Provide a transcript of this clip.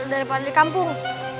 daripada di kampung